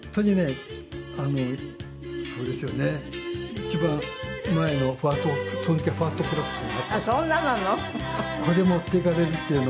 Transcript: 一番前のその時はファーストクラスっていうのが。